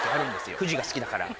富士が好きだから。